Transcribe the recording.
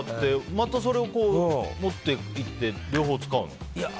また、それを持っていって両方使うの？